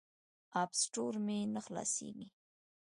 اپ سټور مې نه خلاصیږي.